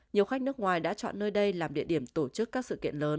nhiều khách nước ngoài đã chọn nơi đây làm địa điểm tổ chức các sự kiện lớn